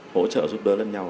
hỗ trợ giúp đỡ lẫn nhau